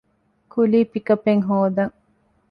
ކުލީ ޕިކަޕެއް ހޯދަން